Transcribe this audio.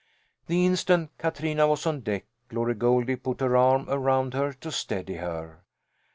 The instant Katrina was on deck Glory Goldie put her arm around her, to steady her.